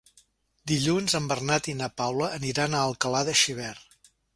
Dilluns en Bernat i na Paula aniran a Alcalà de Xivert.